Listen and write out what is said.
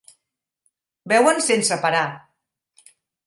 Beuen sense parar.